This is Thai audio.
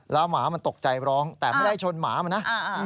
แล้วหมามันตกใจร้องแต่ไม่ได้ชนหมามันนะ